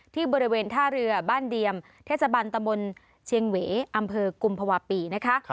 ที่บริเวณท่าเรือบ้านเดียมเทศบันตะมนต์เชียงเหวอำเภอกุมภาวะปีนะคะ